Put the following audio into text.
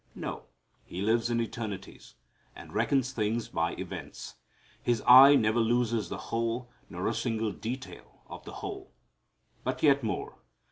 No. He lives in eternities, and reckons things by events. His eye never loses the whole, nor a single detail of the whole. But yet more.